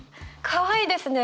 かわいいですね！